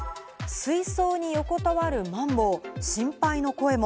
水槽に横たわるマンボウ、心配の声も。